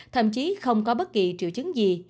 thậm chí không có bất kỳ triệu chứng gì